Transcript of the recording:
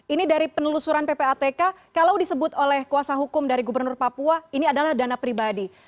ini dari penelusuran ppatk kalau disebut oleh kuasa hukum dari gubernur papua ini adalah dana pribadi